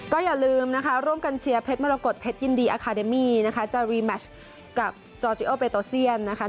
ก็อย่าลืมนะคะร่วมกันเชียร์เพชรมรกฏเพชรยินดีอาคาเดมี่นะคะจะรีแมชกับจอร์จิโอเปโตเซียนนะคะ